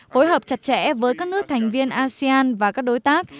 phối hợp chặt chẽ với các nước thành viên asean và các đối tác